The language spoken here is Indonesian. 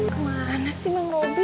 kemana sih bang robi